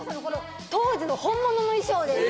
当時の本物の衣装です。